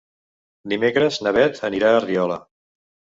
Dimecres na Beth anirà a Riola.